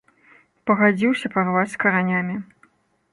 Пагадзіўся парваць з каранямі.